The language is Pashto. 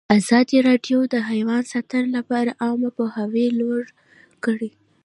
ازادي راډیو د حیوان ساتنه لپاره عامه پوهاوي لوړ کړی.